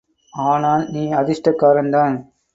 ஆனால் நீ அதிர்ஷ்டக்காரன்தான்.